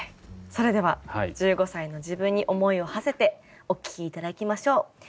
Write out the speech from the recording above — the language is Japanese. それでは１５歳の自分に思いをはせてお聴き頂きましょう。